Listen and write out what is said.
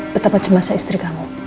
betapa cemasah istri kamu